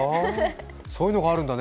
そういうのがあるんだね。